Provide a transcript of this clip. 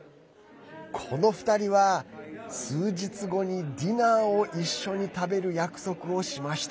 この２人は、数日後にディナーを一緒に食べる約束をしました。